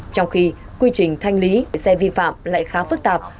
trong khi quy trình thanh lý xe vi phạm lại khá phức tạp